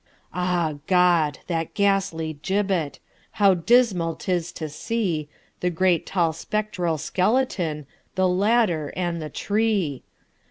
Ah, God! that ghastly gibbet! How dismal 't is to seeThe great tall spectral skeleton, The ladder and the tree!